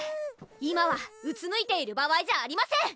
今はうつむいている場合じゃありません！